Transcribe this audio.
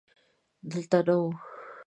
دلته نه و.